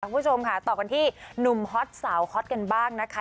คุณผู้ชมค่ะต่อกันที่หนุ่มฮอตสาวฮอตกันบ้างนะคะ